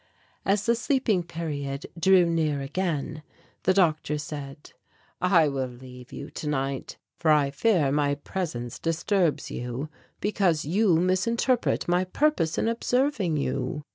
As the sleeping period drew again near, the doctor said, "I will leave you tonight, for I fear my presence disturbs you because you misinterpret my purpose in observing you."